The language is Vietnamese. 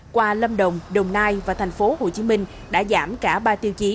qua lâm đồng đồng nai và thành phố hồ chí minh đã giảm cả ba tiêu chí